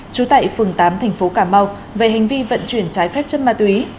trú tại phường tám tp cà mau về hành vi vận chuyển trái phép chân ma túy